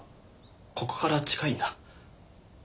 ここから近いんだ。